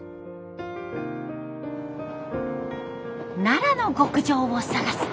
奈良の極上を探す